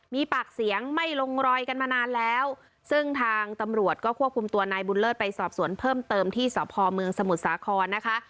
มีปากเสียงไม่ลงรอยกันมานานแล้วซึ่งทางตำรวจก็ควบคุมตัวนายบุญเลิศไปสอบสวนเพิ่มเติมที่สพเมืองสมุทรสาครนะคะ